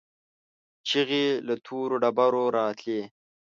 چيغې له تورو ډبرو راتلې.